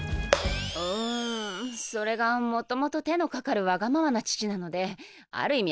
うんそれがもともと手のかかるワガママな父なのである意味